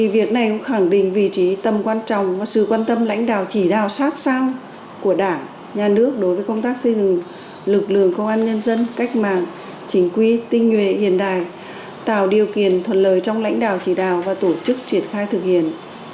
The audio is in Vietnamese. việc này cũng khẳng định vị trí tầm quan trọng và sự quan tâm lãnh đạo chỉ đạo sát sao của đảng nhà nước đối với công tác xây dựng lực lượng công an nhân dân cách mạng chính quy tinh nhuệ hiện đại tạo điều kiện thuận lời trong lãnh đạo chỉ đạo và tổ chức triển khai thực hiện